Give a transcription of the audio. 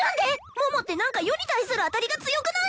桃って何か余に対するアタリが強くない？